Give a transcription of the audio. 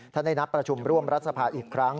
ได้นัดประชุมร่วมรัฐสภาอีกครั้ง